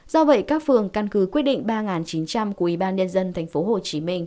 do vậy các phường căn cứ quyết định ba chín trăm linh của ubnd tp hcm